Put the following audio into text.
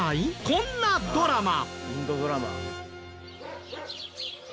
こんなドラマ。